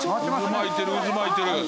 渦巻いてる渦巻いてる。